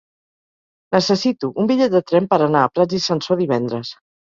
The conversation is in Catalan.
Necessito un bitllet de tren per anar a Prats i Sansor divendres.